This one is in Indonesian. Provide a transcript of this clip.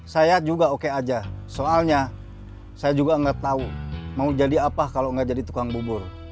saya juga oke aja soalnya saya juga nggak tahu mau jadi apa kalau nggak jadi tukang bubur